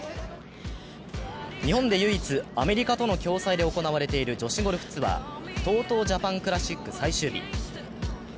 日本で唯一、アメリカとの共催で行われている女子ゴルフツアーＴＯＴＯジャパンクラシック最終日。